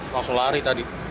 langsung lari tadi